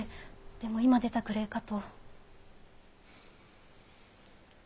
でも今出たくれえかと。